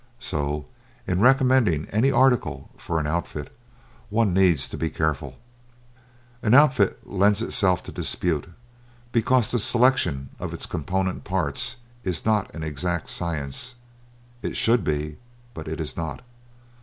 So, in recommending any article for an outfit, one needs to be careful. An outfit lends itself to dispute, because the selection of its component parts is not an exact science. It should be, but it is not.